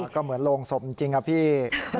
ก็เหมือนโรงศพจริงครับพี่